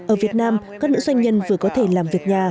ở việt nam các nữ doanh nhân vừa có thể làm việc nhà